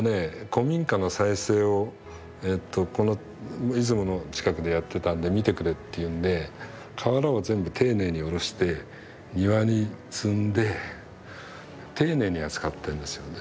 古民家の再生をこの出雲の近くでやってたんで見てくれっていうんで瓦を全部丁寧におろして庭に積んで丁寧に扱ってるんですよね。